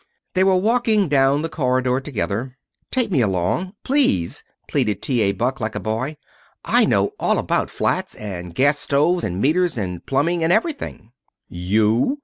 They were walking down the corridor together. "Take me along please!" pleaded T. A. Buck, like a boy. "I know all about flats, and gas stoves, and meters, and plumbing, and everything!" "You!"